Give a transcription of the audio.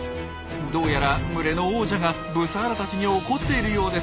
どうやら群れの王者がブサーラたちに怒っているようです。